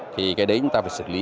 thì cái đấy chúng ta phải xử lý